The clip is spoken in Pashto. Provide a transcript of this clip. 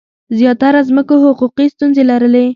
زیاتره ځمکو حقوقي ستونزې لرلې.